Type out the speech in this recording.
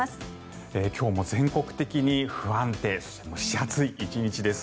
今日も全国的に不安定そして蒸し暑い１日です。